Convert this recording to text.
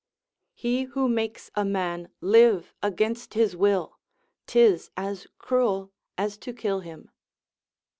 ["He who makes a man live against his will, 'tis as cruel as to kill him."